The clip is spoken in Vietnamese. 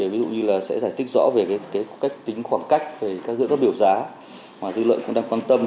ví dụ như là sẽ giải thích rõ về cái cách tính khoảng cách giữa các biểu giá mà dư lợi cũng đang quan tâm